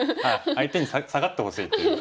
相手に下がってほしいっていう。